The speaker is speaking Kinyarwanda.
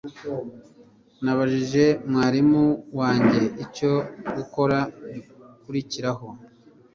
Nabajije mwarimu wanjye icyo gukora gikurikiraho